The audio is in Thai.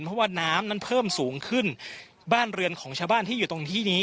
เพราะว่าน้ำนั้นเพิ่มสูงขึ้นบ้านเรือนของชาวบ้านที่อยู่ตรงที่นี้